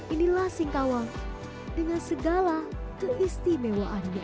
inilah singkawang dengan segala keistimewaannya